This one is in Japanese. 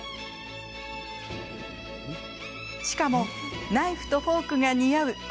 しかもナイフとフォークが似合う